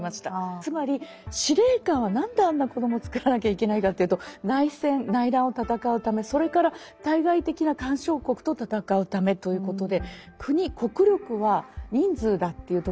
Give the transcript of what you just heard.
つまり司令官は何であんな子どもをつくらなきゃいけないかっていうと内戦・内乱を戦うためそれから対外的な干渉国と戦うためということで国国力は人数だというとこでくるわけですよね。